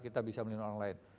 kita bisa melindungi orang lain